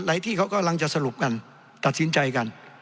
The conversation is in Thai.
ที่เขากำลังจะสรุปกันตัดสินใจกัน